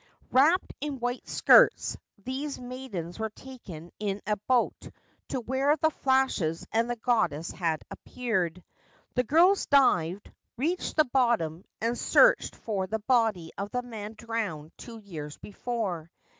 Wrapped in white skirts, these maidens were taken in a boat to where the flashes and the goddess had appeared. The girls dived, reached the bottom, and searched for the body of the man drowned two years before.